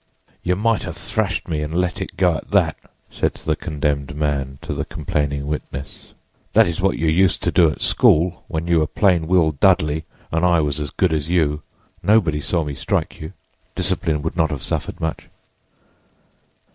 "You might have thrashed me and let it go at that," said the condemned man to the complaining witness; "that is what you used to do at school, when you were plain Will Dudley and I was as good as you. Nobody saw me strike you; discipline would not have suffered much."